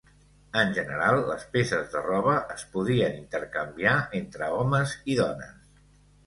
En general, les peces de roba es podien intercanviar entre homes i dones.